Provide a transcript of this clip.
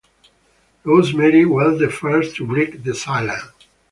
Rose-Marie was the first to break the silence.